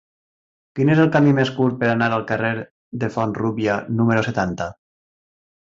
Quin és el camí més curt per anar al carrer de Font-rúbia número setanta?